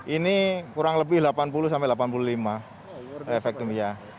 ini kurang lebih delapan puluh sampai delapan puluh lima efektifnya